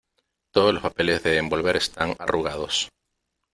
Todos los papeles de envolver están arrugados.